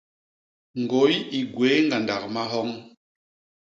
Ñgôy i gwéé ñgandak mahoñ.